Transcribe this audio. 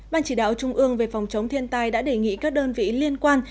ban chỉ đạo trung ương về phòng chống thiên tai đã đề nghị các đơn vị liên quan